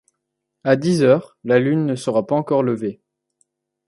À dix heures, la lune ne sera pas encore levée.